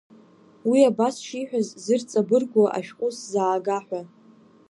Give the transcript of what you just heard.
Уи абас шиҳәаз зырҵабыргуа ашәҟәы сзаага ҳәа.